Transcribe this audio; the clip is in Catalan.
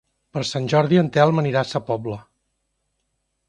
Per Sant Jordi en Telm anirà a Sa Pobla.